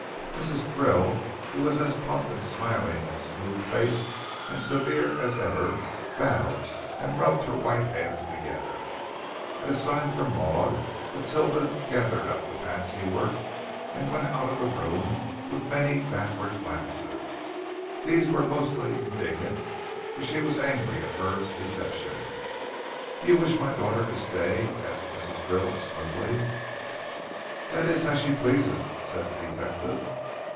Mrs. Krill, who was as plump and smiling and smooth faced and severe as ever, bowed and rubbed her white hands together. At a sign from Maud, Matilda gathered up the fancy work and went out of the room with many backward glances. These were mostly indignant, for she was angry at Hurd's deception. "Do you wish my daughter to stay?" asked Mrs. Krill, smoothly. "That is as she pleases," said the detective.